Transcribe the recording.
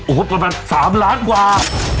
โอ้โหประมาณ๓ล้านกว่า